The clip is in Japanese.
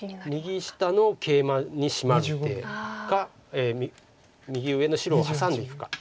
右下のケイマにシマる手か右上の白をハサんでいくか。